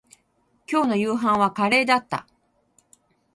今日の夕飯はカレーだった